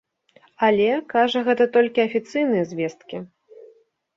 Але, кажа, гэта толькі афіцыйныя звесткі.